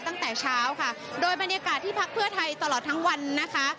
ตั้งแต่เช้าค่ะโดยบรรยากาศที่พักเพื่อไทยตลอดทั้งวันนะคะ